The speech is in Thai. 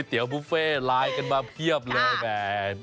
ไกว้ตี๋วบุฟเฟ่ลายกันมาเพียบเลยแบน